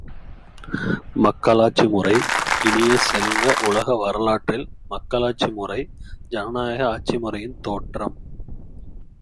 மக்களாட்சி முறை இனிய செல்வ, உலக வரலாற்றில் மக்களாட்சி முறை ஜனநாயக ஆட்சி முறையின் தோற்றம்.